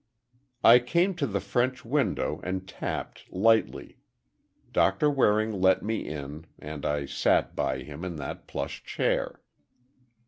"I came to the French window, and tapped lightly. Doctor Waring let me in, and I sat by him in that plush chair.